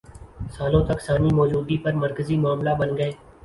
سالوں تک ثانوی موجودگی پر مرکزی معاملہ بن گئے